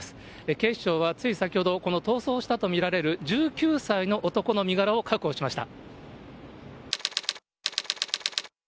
警視庁はつい先ほど、この逃走したと見られる１９歳の男の身柄を確保しました。